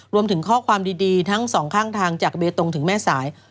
รวมถึงข้อความดีทั้งสองข้างทางจากเบตงถึงแม่สาย